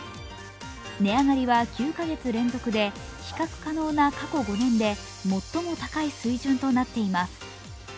値上がりは９カ月連続で比較可能な過去５年で最も高い水準となっています。